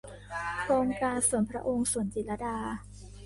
โครงการส่วนพระองค์ สวนจิตรลดา